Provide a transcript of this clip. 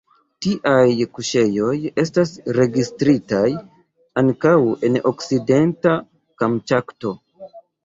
Tiaj kuŝejoj estas registritaj ankaŭ en Okcidenta Kamĉatko.